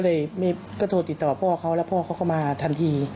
ก็เลยก็โทรติดต่อพ่อเขาแล้วพ่อเขาก็มาทันที